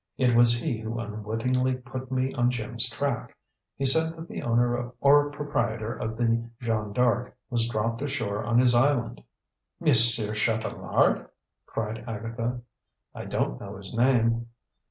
It was he who unwittingly put me on Jim's track. He said that the owner or proprietor of the Jeanne D'Arc was dropped ashore on his island." "Monsieur Chatelard?" cried Agatha. "I don't know his name."